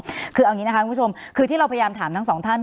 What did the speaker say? คือเอาอย่างนี้นะคะคุณผู้ชมคือที่เราพยายามถามทั้งสองท่าน